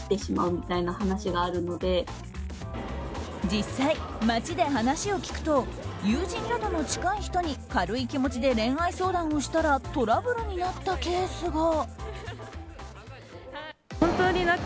実際、街で話を聞くと友人などの近い人に軽い気持ちで恋愛相談をしたらトラブルになったケースが。